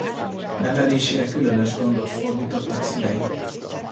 Nevelésére különös gondot fordítottak szülei.